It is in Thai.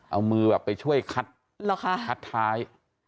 เอามือแบบไปช่วยคัดท้าย